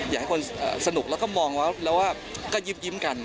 อยากให้คนสนุกแล้วก็มองแล้วก็ยิ้มกัน